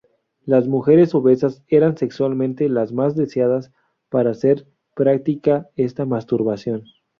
Las mujeres obesas eran sexualmente las más deseadas para hacer práctica esta masturbación.